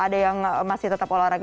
ada yang masih tetap olahraga